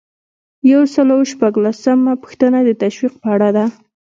یو سل او شپږلسمه پوښتنه د تشویق په اړه ده.